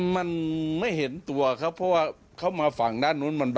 มองไม่เห็นด้านนู้น